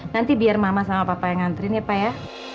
nanti biar mama sama papa yang ngantri ya pak ya